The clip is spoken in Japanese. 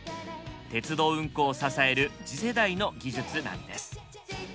鉄道運行を支える次世代の技術なんです。